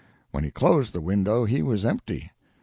. When he closed the window he was empty.